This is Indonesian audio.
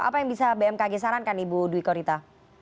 apa yang bisa bmkg sarankan ibu dwi korita